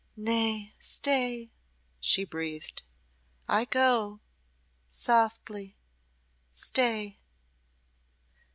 "Nay stay," she breathed. "I go softly stay."